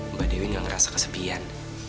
mbak dewi nggak ngerasa kesepian